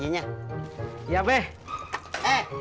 barangnya cuma sedikit be